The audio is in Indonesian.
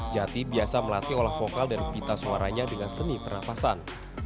jati biasa melatih olah vokal dan pita suaranya dengan seni pernafasan